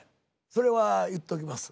それは言っときます。